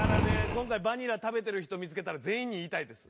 今回バニラ食べてる人見つけたら全員に言いたいです。